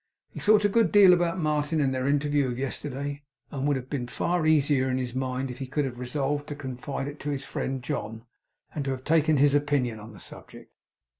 He thought a good deal about Martin, and their interview of yesterday, and would have been far easier in his mind if he could have resolved to confide it to his friend John, and to have taken his opinion on the subject.